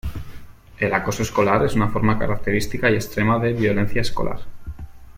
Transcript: El "acoso escolar" es una forma característica y extrema de "violencia escolar".